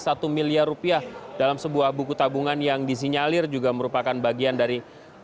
satu miliar rupiah dalam sebuah buku tabungan yang disinyalir juga merupakan bagian dari